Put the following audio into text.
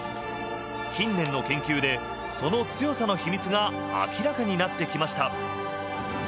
近年の研究で、その強さの秘密が明らかになってきました。